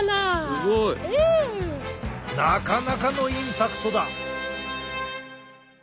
すごい。なかなかのインパクトだ。